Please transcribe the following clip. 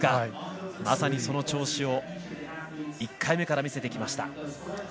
まさにその調子を１回目から見せてきました。